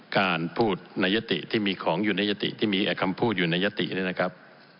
การพูดในยติที่มีของอยู่ในยติที่มีคำพูดอยู่ในยติเนี่ยนะครับ